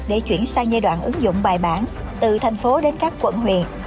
để chuyển sang giai đoạn ứng dụng bài bản từ thành phố đến các quận huyện